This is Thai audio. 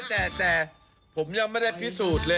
ดูท่าทางฝ่ายภรรยาหลวงประธานบริษัทจะมีความสุขที่สุดเลยนะเนี่ย